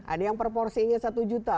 ada yang proporsinya satu juta